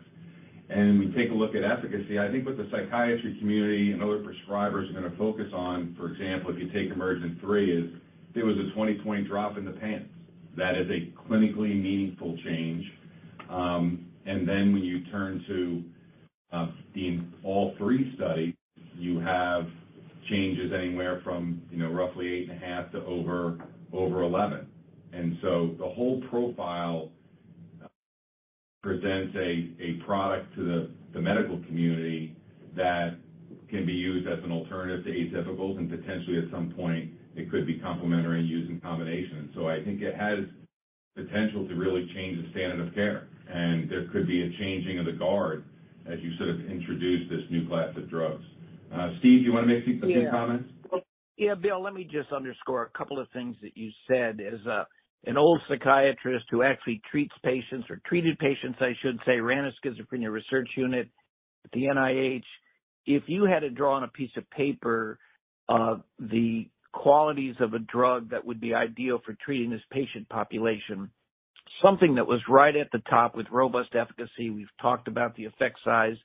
When we take a look at efficacy, I think what the psychiatry community and other prescribers are gonna focus on, for example, if you take EMERGENT-3, is there was a 20-point drop in the PANSS. That is a clinically meaningful change. When you turn to. In all three studies, you have changes anywhere from, you know, roughly 8.5 to over 11. The whole profile presents a product to the medical community that can be used as an alternative to atypical and potentially at some point it could be complementary and used in combination. I think it has potential to really change the standard of care, and there could be a changing of the guard as you sort of introduce this new class of drugs. Steve, do you want to make some comments? Yeah. Well, yeah, Bill, let me just underscore a couple of things that you said. As an old psychiatrist who actually treats patients or treated patients, I should say, ran a schizophrenia research unit at the NIH. If you had to draw on a piece of paper of the qualities of a drug that would be ideal for treating this patient population, something that was right at the top with robust efficacy. We've talked about the effect size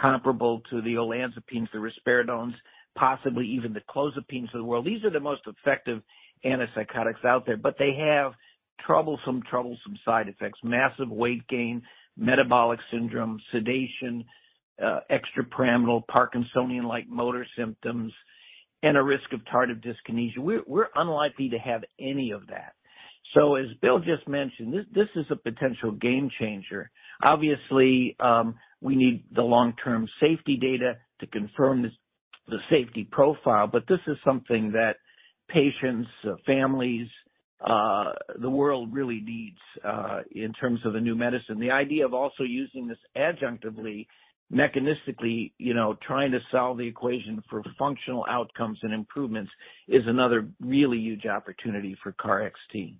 comparable to the olanzapines, the risperidones, possibly even the clozapines of the world. These are the most effective antipsychotics out there, but they have troublesome side effects. Massive weight gain, metabolic syndrome, sedation, extrapyramidal, Parkinsonian-like motor symptoms, and a risk of tardive dyskinesia. We're unlikely to have any of that. As Bill just mentioned, this is a potential game changer. Obviously, we need the long-term safety data to confirm this, the safety profile. This is something that patients, families, the world really needs in terms of a new medicine. The idea of also using this adjunctively, mechanistically, you know, trying to solve the equation for functional outcomes and improvements is another really huge opportunity for KarXT.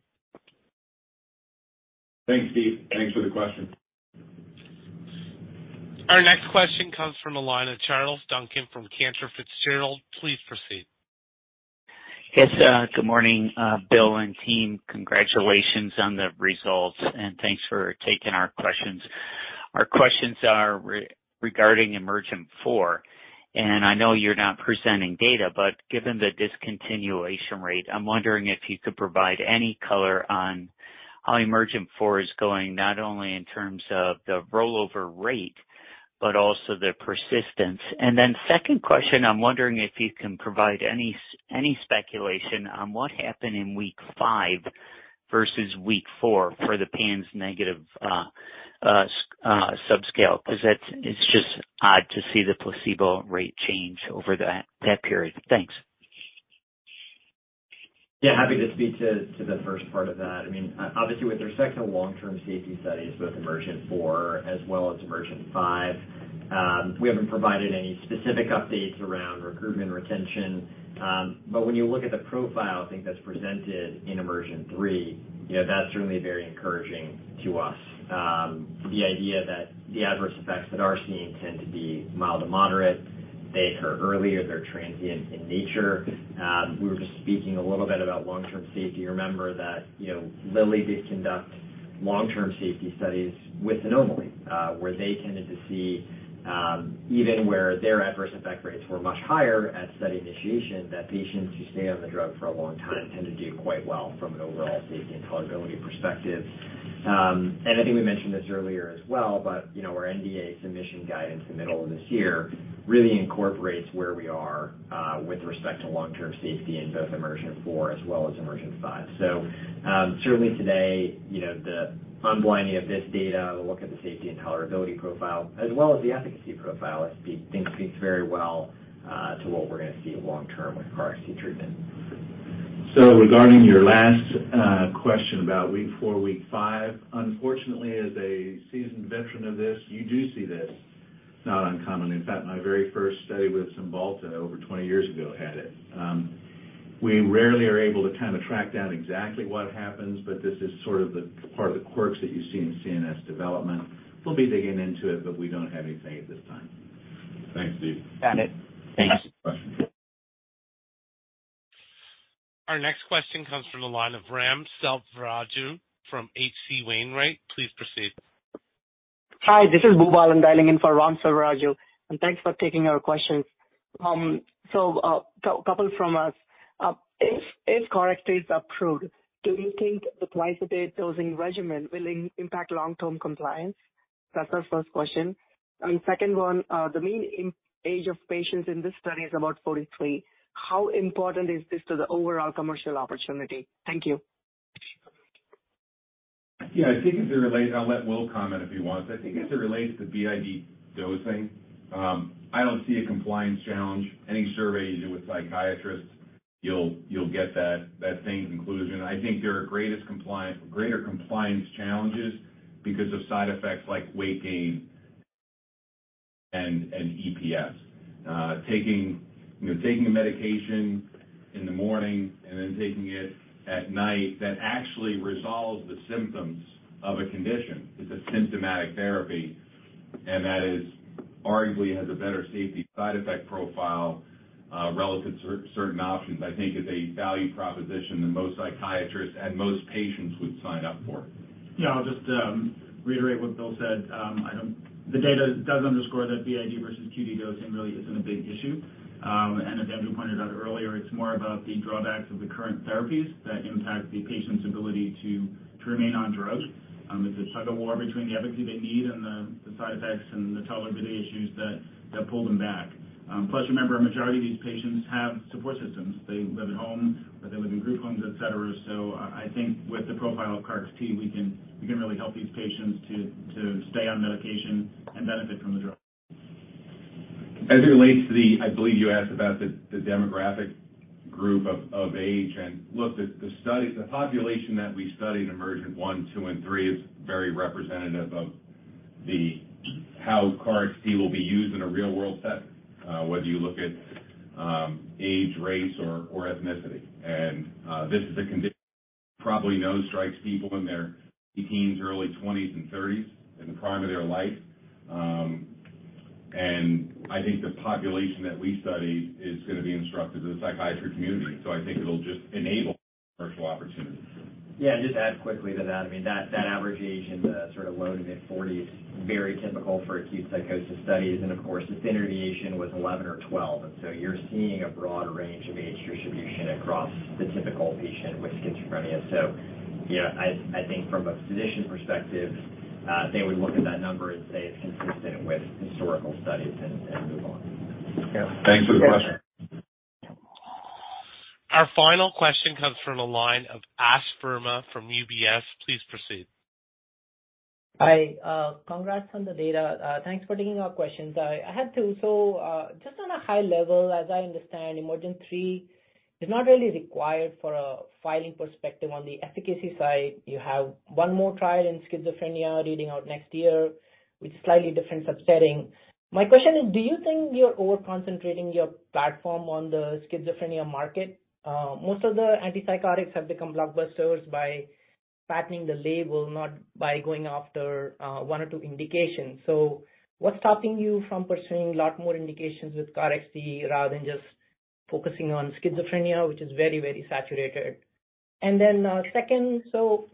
Thanks, Steve. Thanks for the question. Our next question comes from the line of Charles Duncan from Cantor Fitzgerald. Please proceed. Yes, good morning, Bill and team. Congratulations on the results and thanks for taking our questions. Our questions are regarding EMERGENT-4. I know you're not presenting data, but given the discontinuation rate, I'm wondering if you could provide any color on how EMERGENT-4 is going, not only in terms of the rollover rate but also the persistence. Second question, I'm wondering if you can provide any speculation on what happened in week five versus week four for the PANSS negative subscale, 'cause that's it's just odd to see the placebo rate change over that period. Thanks. Yeah, happy to speak to the first part of that. I mean, obviously, with respect to long-term safety studies, both EMERGENT-4 as well as EMERGENT-5, we haven't provided any specific updates around recruitment retention. When you look at the profile, I think that's presented in EMERGENT-3, you know, that's certainly very encouraging to us. The idea that the adverse effects that are seen tend to be mild to moderate. They occur earlier. They're transient in nature. We were just speaking a little bit about long-term safety. Remember that, you know, Lilly did conduct long-term safety studies with xanomeline, where they tended to see, even where their adverse effect rates were much higher at study initiation, that patients who stay on the drug for a long time tend to do quite well from an overall safety and tolerability perspective. I think we mentioned this earlier as well, but, you know, our NDA submission guidance in the middle of this year really incorporates where we are, with respect to long-term safety in both EMERGENT-4 as well as EMERGENT-5. Certainly today, you know, the unblinding of this data, we'll look at the safety and tolerability profile as well as the efficacy profile, I think speaks very well, to what we're gonna see long term with KarXT treatment. Regarding your last, question about week four, week five, unfortunately, as a seasoned veteran of this, you do see this. Not uncommon. In fact, my very first study with Cymbalta over 20 years ago had it. We rarely are able to kind of track down exactly what happens, but this is sort of the part of the quirks that you see in CNS development. We'll be digging into it, but we don't have anything at this time. Thanks, Steve. Got it. Thanks. Thanks for the question. Our next question comes from the line of Ram Selvaraju from H.C. Wainwright. Please proceed. Hi, this is Boombal. I'm dialing in for Ram Selvaraju. Thanks for taking our questions. A couple from us. If KarXT is approved, do you think the twice-a-day dosing regimen will impact long-term compliance? That's our first question. Second one, the mean age of patients in this study is about 43. How important is this to the overall commercial opportunity? Thank you. Yeah, I think I'll let Will comment if he wants. I think as it relates to BID dosing, I don't see a compliance challenge. Any survey you do with psychiatrists, you'll get that same conclusion. I think there are greater compliance challenges because of side effects like weight gain and EPS. Taking, you know, taking a medication in the morning and then taking it at night, that actually resolves the symptoms of a condition. It's a symptomatic therapy, that is arguably has a better safety side effect profile relative to certain options, I think is a value proposition that most psychiatrists and most patients would sign up for. Yeah. I'll just reiterate what Bill said. The data does underscore that BID versus QD dosing really isn't a big issue. As Andrew pointed out earlier, it's more about the drawbacks of the current therapies that impact the patient's ability to remain on drugs. It's a tug of war between the efficacy they need and the side effects and the tolerability issues that pull them back. Remember, a majority of these patients have support systems. They live at home or they live in group homes, et cetera. I think with the profile of KarXT, we can really help these patients to stay on medication and benefit from the drug. As it relates to the I believe you asked about the demographic group of age. Look, the population that we studied in EMERGENT -1, -2, and -3 is very representative of the how KarXT will be used in a real world setting. Whether you look at age, race or ethnicity. This is a condition probably no strikes people in their teens, early 20s and 30s, in the prime of their life. I think the population that we studied is gonna be instructive to the psychiatry community. I think it'll just enable commercial opportunities. Yeah, just add quickly to that. I mean, that average age in the sort of low to mid-40s, very typical for acute psychosis studies. Of course the standard deviation was 11 or 12. You're seeing a broad range of age distribution across the typical patient with schizophrenia. You know, I think from a physician perspective, they would look at that number and say it's consistent with historical studies and move on. Yeah. Thanks for the question. Our final question comes from the line of Ash Verma from UBS. Please proceed. Hi, congrats on the data. Thanks for taking our questions. I had two. Just on a high level, as I understand, EMERGENT-3 is not really required for a filing perspective on the efficacy side. You have one more trial in schizophrenia reading out next year with slightly different subsetting. My question is, do you think you're over-concentrating your platform on the schizophrenia market? Most of the antipsychotics have become blockbusters by patterning the label, not by going after one or two indications. What's stopping you from pursuing a lot more indications with KarXT rather than just focusing on schizophrenia, which is very, very saturated? Second, so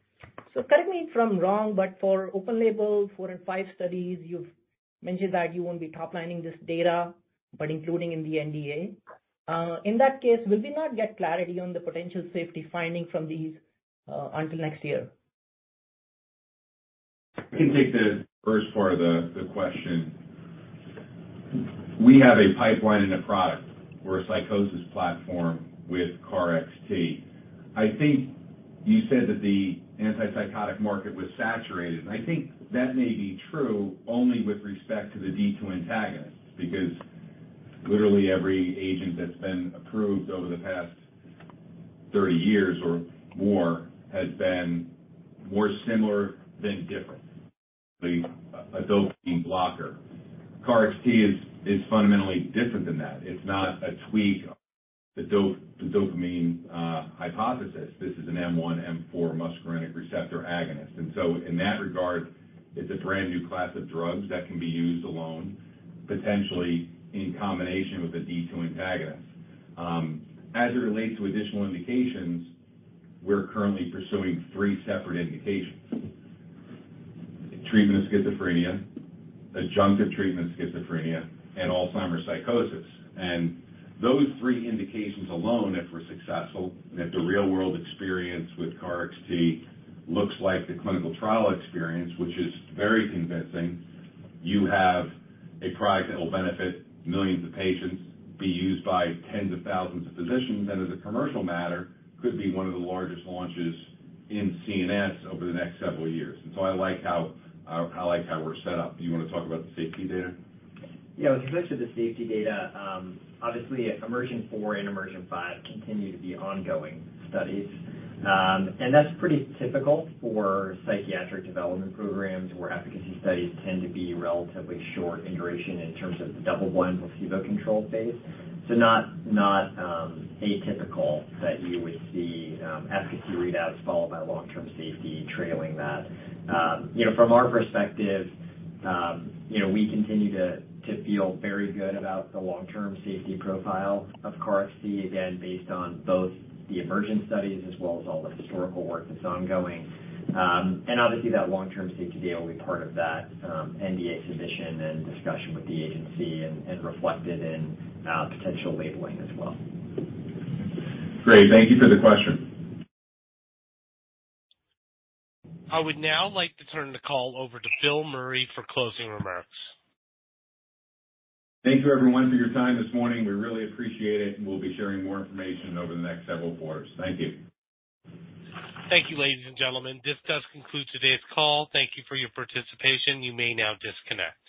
correct me if I'm wrong, but for open label four and five studies, you've mentioned that you won't be top-lining this data, but including in the NDA. In that case, will we not get clarity on the potential safety finding from these until next year? I can take the first part of the question. We have a pipeline in a product. We're a psychosis platform with KarXT. I think you said that the antipsychotic market was saturated. I think that may be true only with respect to the D2 antagonist, because literally every agent that's been approved over the past 30 years or more has been more similar than different. The dopamine blocker. KarXT is fundamentally different than that. It's not a tweak, the dopamine hypothesis. This is an M1/M4 muscarinic receptor agonist. In that regard, it's a brand-new class of drugs that can be used alone, potentially in combination with a D2 antagonist. As it relates to additional indications, we're currently pursuing three separate indications: treatment of schizophrenia, adjunctive treatment of schizophrenia, and Alzheimer's psychosis. Those three indications alone, if we're successful, and if the real world experience with KarXT looks like the clinical trial experience, which is very convincing, you have a product that will benefit millions of patients, be used by tens of thousands of physicians, and as a commercial matter, could be one of the largest launches in CNS over the next several years. I like how we're set up. Do you wanna talk about the safety data? Yeah. With respect to the safety data, obviously EMERGENT-4 and EMERGENT-5 continue to be ongoing studies. That's pretty typical for psychiatric development programs where efficacy studies tend to be relatively short in duration in terms of the double one placebo-controlled phase. Not atypical that you would see efficacy readouts followed by long-term safety trailing that. You know, from our perspective, you know, we continue to feel very good about the long-term safety profile of KarXT, again, based on both the EMERGENT studies as well as all the historical work that's ongoing. Obviously that long-term safety data will be part of that NDA submission and discussion with the agency and reflected in potential labeling as well. Great. Thank you for the question. I would now like to turn the call over to Bill Meury for closing remarks. Thank you everyone for your time this morning. We really appreciate it, and we'll be sharing more information over the next several quarters. Thank you. Thank you, ladies and gentlemen. This does conclude today's call. Thank you for your participation. You may now disconnect.